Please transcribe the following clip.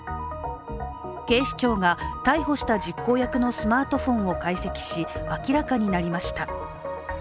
警視庁が逮捕した実行役のスマートフォンを解析し、明らかになりました。